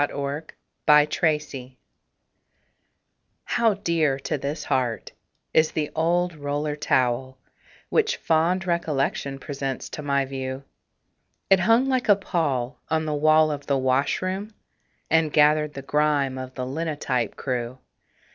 THE OLD ROLLER TOWEL How dear to this heart is the old roller towel Which fond recollection presents to my view. It hung like a pall on the wall of the washroom, And gathered the grime of the linotype crew.